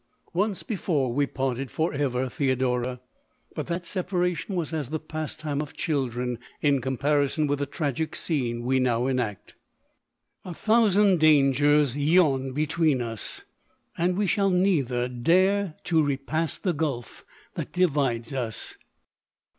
Once before we parted for ever, Theodora ; but that paration was as the pastime of children in comparison with the tragic scene we now enact. A thousand dangers yawn between us, and we shall neither dare to repass the gulf that divides us.